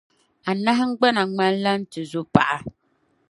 Anahingbana ŋmanla n-tizo paɣa.